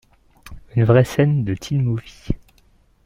Une vraie scène de teen-movie.